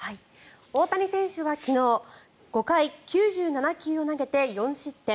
大谷選手は昨日５回９７球を投げて４失点。